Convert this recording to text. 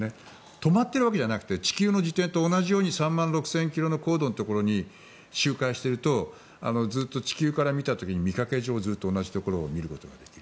止まっているわけじゃなくて地球の自転と同じように３万６０００ｋｍの高度のところに周回しているとずっと地球から見た時に見かけ上ずっと同じところを見ることができる。